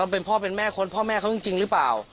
เป็นพ่อเป็นแม่คนพ่อแม่เขาจริงหรือเปล่า